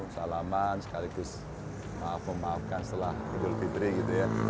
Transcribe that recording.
salaman sekaligus maaf maafkan setelah hidup diberi gitu ya